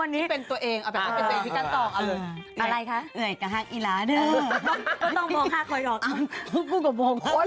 แบบที่เป็นตัวเองเอาเป็นชุดตัวเองพี่กั้นตอบ